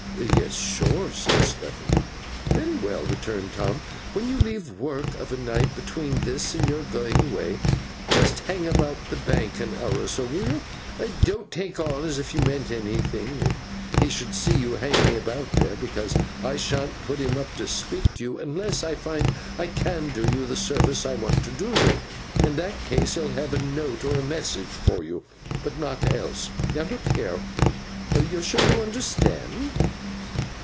'Yes, sure,' said Stephen. 'Very well,' returned Tom. 'When you leave work of a night, between this and your going away, just hang about the Bank an hour or so, will you? Don't take on, as if you meant anything, if he should see you hanging about there; because I shan't put him up to speak to you, unless I find I can do you the service I want to do you. In that case he'll have a note or a message for you, but not else. Now look here! You are sure you understand.